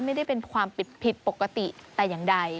ไม่ได้เป็นความผิดปกติแต่อย่างใด